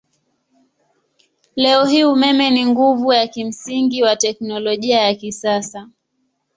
Leo hii umeme ni nguvu ya kimsingi wa teknolojia ya kisasa.